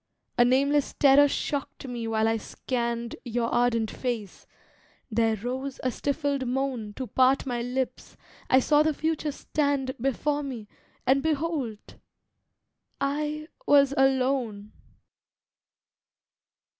A nameless terror shocked me while I scanned Your ardent face; there rose a stifled moan To part my lips; I saw the future stand Before me, and behold! I was alone.